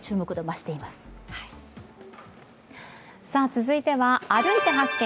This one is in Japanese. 続いては、「歩いて発見！